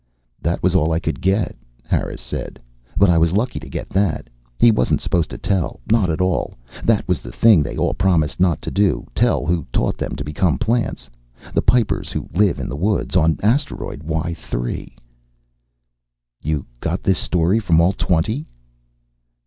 "That was all I could get," Harris said. "But I was lucky to get that. He wasn't supposed to tell, not at all. That was the thing they all promised not to do, tell who taught them to become plants. The Pipers who live in the woods, on Asteroid Y 3." "You got this story from all twenty?"